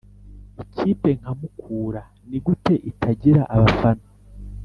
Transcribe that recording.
ikipe nka mukra nigute itagira abafana